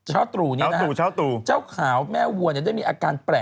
เช้าตรู่เนี่ยนะฮะ